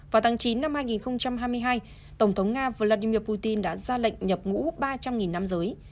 vào tháng chín năm hai nghìn hai mươi hai tổng thống nga vladimir putin đã ra lệnh nhập ngũ ba trăm linh nam giới